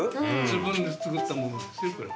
自分で作ったものですよこれ。